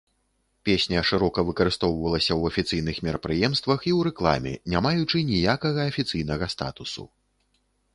Песня шырока выкарыстоўвалася ў афіцыйных мерапрыемствах і ў рэкламе, не маючы ніякага афіцыйнага статусу.